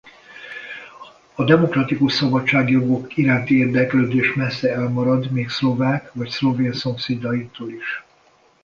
A demokratikus szabadságjogok iránti érdeklődés messze elmarad még szlovák vagy szlovén szomszédainktól is.